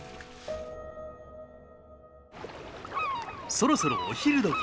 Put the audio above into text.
そろそろお昼どき。